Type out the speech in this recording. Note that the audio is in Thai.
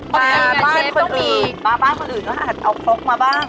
บ้านคนอื่นบ้านคนอื่นก็อาจเอาโค๊กมาบ้าง